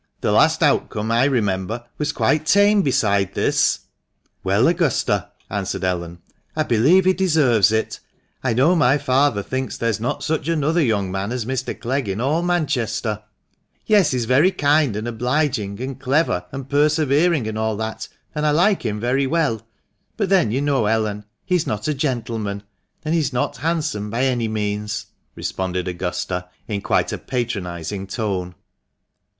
The last outcome, I remember, was quite tame beside this." 260 THE MANCHESTER MAN. " Well, Augusta," answered Ellen, " I believe he deserves it. I know my father thinks there is not such another young man as Mr. Clegg in all Manchester." "Yes, he's very kind, and obliging, and clever, and persevering, and all that, and I like him very well ; but then you know, Ellen, he is not a gentleman, and he is not handsome by any means," responded Augusta, in quite a patronising tone.